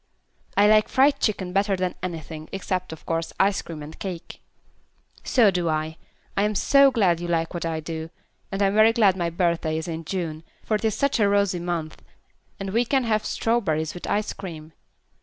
"I like fried chicken better than anything, except, of course, ice cream and cake." "So do I. I'm so glad you like what I do, and I'm very glad my birthday is in June, for it is such a rosy month, and we can have strawberries with the ice cream.